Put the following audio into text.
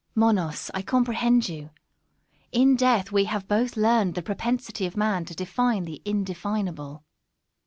Una. Monos, I comprehend you. In Death we have both learned the propensity of man to define the indefinable.